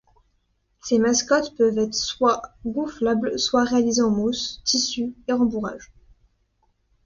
Ces mascottes peuvent être soit gonflables soit réalisées en mousse, tissus et rembourrage.